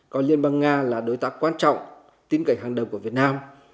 coi liên bang nga là đối tác quan trọng tin cậy hàng đầu của việt nam